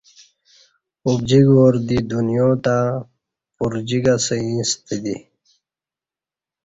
ابجیک وار دی دنیا تں پرجیک اسہ ییݩستہ دی